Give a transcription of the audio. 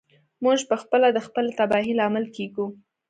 موږ پخپله د خپلې تباهۍ لامل کیږو.